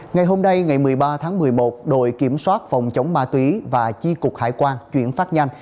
ngày hôm nay ngày một mươi ba tháng một mươi một đội kiểm soát phòng chống ma túy và chi cục hải quan chuyển phát nhanh